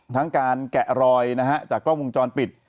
ทั้งการแกะรอยจากกล้องวงจรปิด